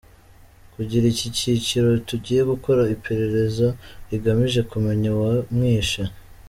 "Kuri iki cyiciro, tugiye gukora iperereza rigamije kumenya uwamwishe".